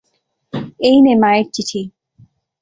এই নে মায়ের চিঠি।